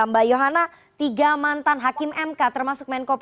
mbak yohana tiga mantan hakim mk termasuk menko pol